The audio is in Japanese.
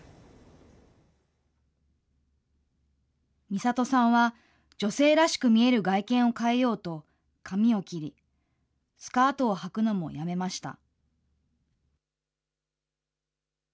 みさとさんは、女性らしく見える外見を変えようと、髪を切り、スカートをはくのもやめました。